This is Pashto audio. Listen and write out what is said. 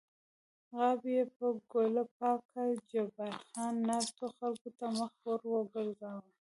غاب یې په ګوله پاک کړ، جبار خان ناستو خلکو ته مخ ور وګرځاوه.